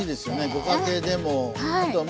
ご家庭でも。ね。